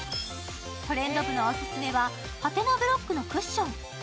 「トレンド部」のオススメはハテナブロックのクッション。